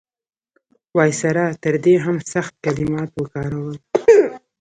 وایسرا تر دې هم سخت کلمات وکارول.